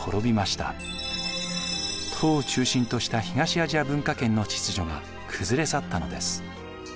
唐を中心とした東アジア文化圏の秩序が崩れ去ったのです。